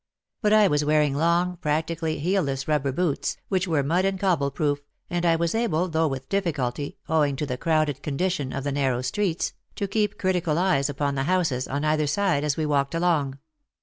But 1 was wear ing long, practically heelless rubber boots, which were mud and cobble proof, and I was able, though with difficulty, owing to the crowded condition of the narrow streets, to keep critical eyes upon the houses on either side as we walked along.